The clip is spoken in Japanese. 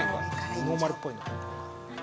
ノーマルっぽいの。